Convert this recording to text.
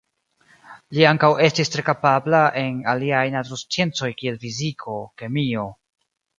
Li ankaŭ estis tre kapabla en aliaj natursciencoj kiel fiziko, kemio.